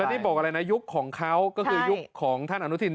นี่บอกอะไรนะยุคของเขาก็คือยุคของท่านอนุทิน